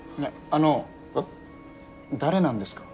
あの誰なんですか？